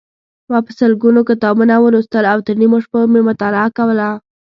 ما په سلګونو کتابونه ولوستل او تر نیمو شپو مې مطالعه کوله.